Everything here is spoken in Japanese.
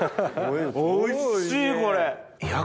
おいしいこれ！